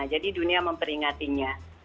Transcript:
jadi dunia memperingatinya